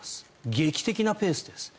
劇的なペースです。